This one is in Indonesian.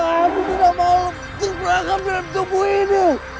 aku tidak mau terbangkan dalam tubuh ini